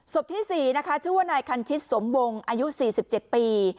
ศพที่สี่นะคะชื่อว่านายคันชิตสมบงอายุสี่สิบเจ็ดปี